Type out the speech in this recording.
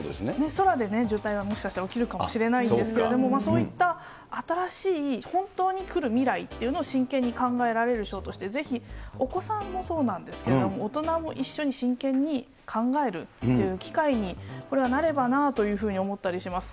空で渋滞がもしかしたら起きるかもしれないんですけれども、そういった新しい本当に来る未来というのを真剣に考えられるショーとして、ぜひお子さんもそうなんですけれども、大人も一緒に真剣に考えるっていう機会にこれはなればなというふうに思ったりします。